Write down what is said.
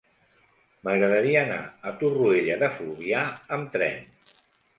M'agradaria anar a Torroella de Fluvià amb tren.